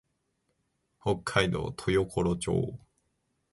北海道豊頃町